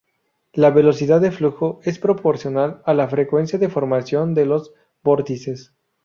La velocidad de flujo es proporcional a la frecuencia de formación de los vórtices.